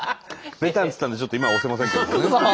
「ベタン」っつったんでちょっと今押せませんけどもね。